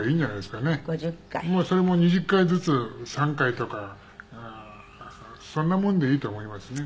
それも２０回ずつ３回とかそんなものでいいと思いますね。